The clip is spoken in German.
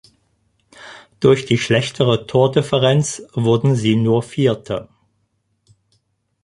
Durch die schlechtere Tordifferenz wurden sie nur Vierte.